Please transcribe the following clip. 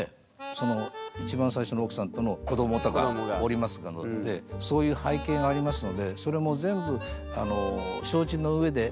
その一番最初の奥さんとの子どもがおりますのでそういう背景がありますのでそれも全部承知の上で。